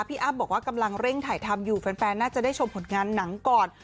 อ้ำบอกว่ากำลังเร่งถ่ายทำอยู่แฟนน่าจะได้ชมผลงานหนังก่อน